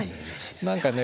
何かね